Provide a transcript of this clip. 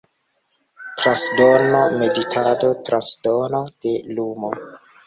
Transdono meditado, transdono de lumo.